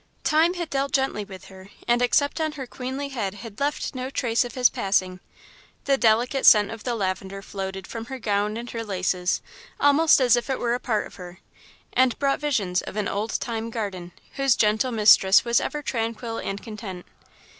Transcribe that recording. Time had dealt gently with her, and except on her queenly head had left no trace of his passing. The delicate scent of the lavender floated from her gown and her laces, almost as if it were a part of her, and brought visions of an old time garden, whose gentle mistress was ever tranquil and content.